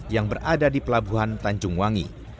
yang berada di pelabuhan tanjungwangi